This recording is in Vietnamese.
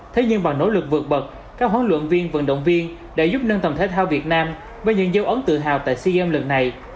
thế nhưng bằng nỗ lực vượt bậc các huấn luyện viên vận động viên đã giúp nâng tầm thể thao việt nam với những dấu ấn tự hào tại sea games lần này